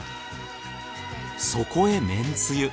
そこへめんつゆ。